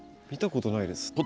見たことないです。